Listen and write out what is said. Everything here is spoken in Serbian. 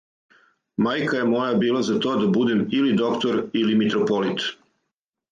Мајка је моја била за то да будем или доктор или митрополит.